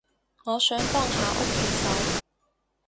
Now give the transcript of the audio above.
我想幫下屋企手